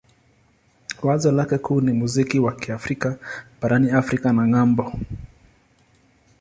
Wazo lake kuu ni muziki wa Kiafrika barani Afrika na ng'ambo.